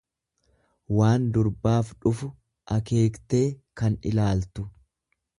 waan durbaaf dhufu akeektee kan ilaaltu.